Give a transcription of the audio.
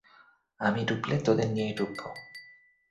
আমি ডুবলে, তোদের নিয়েই ডুববো।